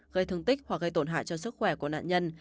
gây thương tích hoặc gây tổn hại cho sức khỏe của nạn nhân